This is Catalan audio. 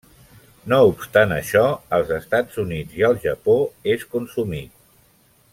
No obstant això, als Estats Units i al Japó és consumit.